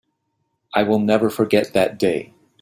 I will never forget that day.